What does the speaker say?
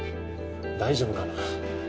大丈夫かな？